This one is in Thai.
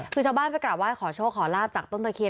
คือชาวบ้านไปกราบไห้ขอโชคขอลาบจากต้นตะเคียน